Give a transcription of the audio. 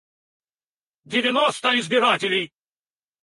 Девяносто избирателей